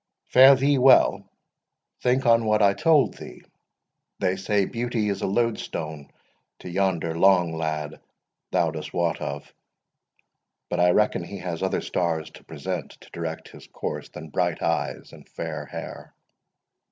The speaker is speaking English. Fare thee well—think on what I told thee. They say beauty is a loadstone to yonder long lad thou dost wot of; but I reckon he has other stars at present to direct his course than bright eyes and fair hair.